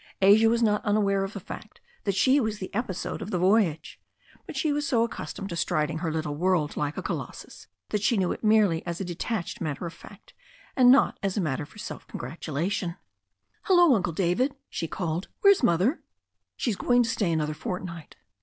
Asia was not unaware of the fact that she was the episode of the voyage. But she was so accustomed to striding her little world like a colossus that she knew it merely as a detached matter of fact, and not as a matter for self coi2^ratulation. THE STORY OF A NEW ZEALAND RIVER 263 "Hullo, Uncle David," she called, "where's Mother?" "She is going to stay another fortnight."